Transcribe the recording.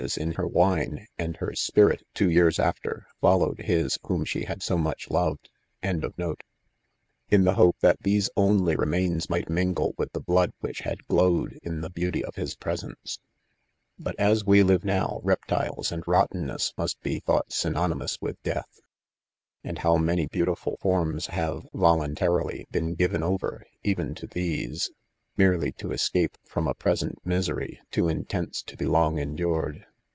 in her wine, and berfcjjiritjtwo years later, follov/ ed Ms whom she lm& so much loved. PREFACE tfg still warm and ecstatic; in the hope that these only re anains might mingle with the blood which had glowed m the beauty of his presence. But, as we live now, reptiles and rottenness must he thoughts synonymous with death, And how many beau tiful forms have., voluntarily, been given oyer, even ta these 9 merely to escape from a present misery, too intense to he long endured.